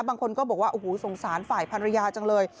บางคนก็บอกว่าโอ้โหสงสารฝ่ายภรรยาจังเลย